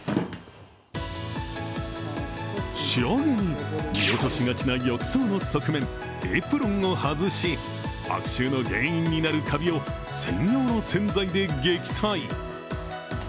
仕上げに見落としがちな浴槽の側面、エプロンを外し悪臭の原因になるカビを専用の洗剤で撃退。